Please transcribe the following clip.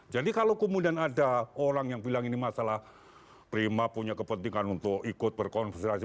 jadi kalau kemudian ada orang yang bilang ini masalah prima punya kepentingan untuk ikut berkonversasi